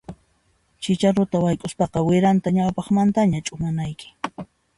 Chicharuta wayk'uspaqa wiranta ñawpaqmantaña ch'umanayki.